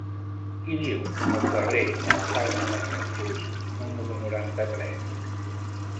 Qui viu al carrer de la Palma de Sant Just número noranta-tres?